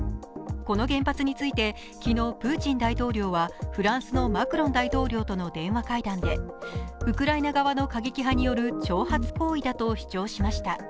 この原発について昨日、プーチン大統領はフランスのマクロン大統領との電話会談でウクライナ側の過激派による挑発行為だと主張しました。